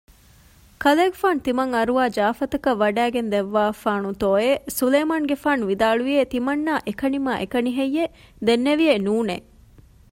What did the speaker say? ކަލޭގެފާނު ތިމަން އަރުވާ ޖާފަތަކަށް ވަޑައިގެންދެއްވާފާނޫތޯއެވެ؟ ސުލައިމާނުގެފާނު ވިދާޅުވިއެވެ ތިމަންނާ އެކަނިމާއެކަނިހެއްޔެވެ؟ ދެންނެވިއެވެ ނޫނެއް